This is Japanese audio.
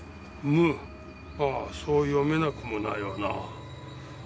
「ム」ああそう読めなくもないわな。